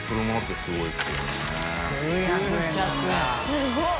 すごい。